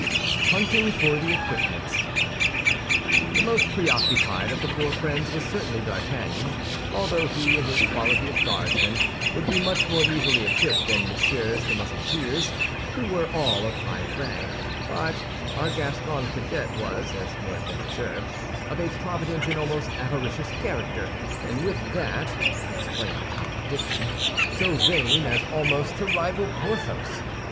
HUNTING FOR THE EQUIPMENTS The most preoccupied of the four friends was certainly D'Artagnan, although he, in his quality of Guardsman, would be much more easily equipped than Messieurs the Musketeers, who were all of high rank; but our Gascon cadet was, as may have been observed, of a provident and almost avaricious character, and with that (explain the contradiction) so vain as almost to rival Porthos.